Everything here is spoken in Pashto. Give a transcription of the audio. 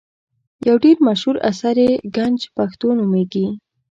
یو ډېر مشهور اثر یې ګنج پښتو نومیږي.